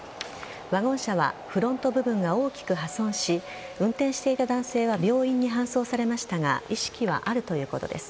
ワゴン車はフロント部分が大きく破損し運転していた男性は病院に搬送されましたが意識はあるということです。